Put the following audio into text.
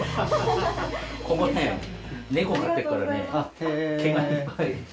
ここねネコ飼ってっからね毛がいっぱい。